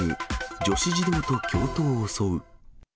女子児童と教頭襲う。